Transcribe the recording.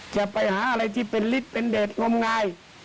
จะไปหาอะไรที่เป็นลิตเป็นเดตงง่าย